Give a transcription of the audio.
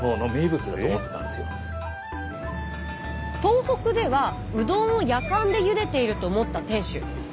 東北ではうどんをやかんでゆでていると思った店主。